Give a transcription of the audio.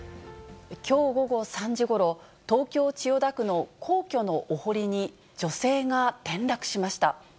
きょう午後３時ごろ、東京・千代田区の皇居のお堀に女性が転落しました。